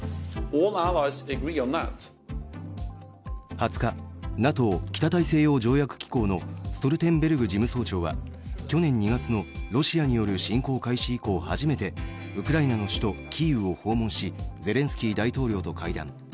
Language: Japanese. ２０日、ＮＡＴＯ＝北大西洋条約機構のストルテンベルグ事務総長は去年２月のロシアによる侵攻開始以降初めてウクライナの首都キーウを訪問し、ゼレンスキー大統領と会談。